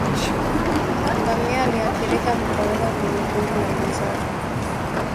Ngamia aliyeathirika hutoroka kwenye kundi la wenzake